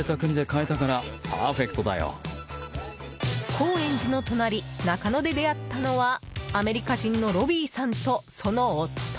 高円寺の隣中野で出会ったのはアメリカ人のロビーさんとその夫。